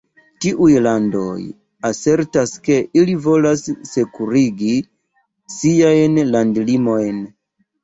Tiuj landoj asertas ke ili volas sekurigi siajn landlimojn.